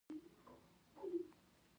ډېره برخه ژوند یې په عبادت او مطالعه تېر شو.